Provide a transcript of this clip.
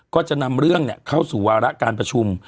ก็จะนำเรื่องเข้าสู่วาระการประชุม